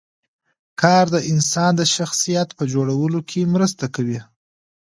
کار د انسان د شخصیت په جوړولو کې مرسته کوي